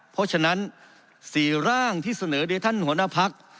เพราะฉะนั้น๔ร่างที่เสนอโดยท่านหัวหน้าพัก